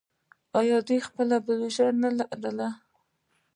آیا دوی خپله بودیجه نلري؟